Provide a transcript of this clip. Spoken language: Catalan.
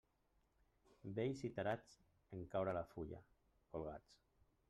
Vells i tarats, en caure la fulla, colgats.